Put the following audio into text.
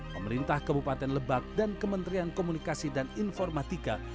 pemerintah kabupaten lebak dan kementerian komunikasi dan informatika